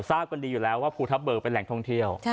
ทราบกันดีอยู่แล้วว่าภูทับเบิกเป็นแหล่งท่องเที่ยว